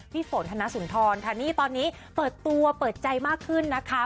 ฝนธนสุนทรค่ะนี่ตอนนี้เปิดตัวเปิดใจมากขึ้นนะคะ